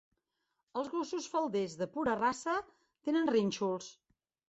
Els gossos falders de pura raça tenen rínxols.